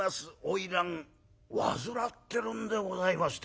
花魁患ってるんでございまして」。